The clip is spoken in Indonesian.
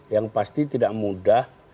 yang pasti tidak mudah